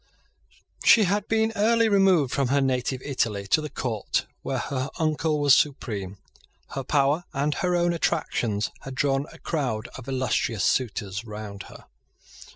She had been early removed from her native Italy to the court where her uncle was supreme. His power and her own attractions had drawn a crowd of illustrious suitors round her.